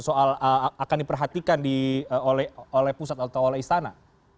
soal akan diperhatikan oleh pusat atau oleh istana